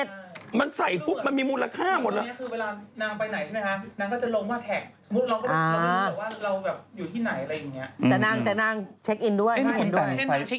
ดูสิคนไลก์กระทิงล้านกว่าคน